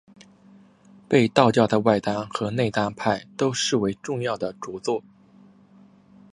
被道教的外丹和内丹派都视为重要的着作。